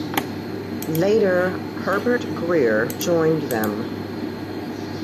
Later Herbert Grier joined them.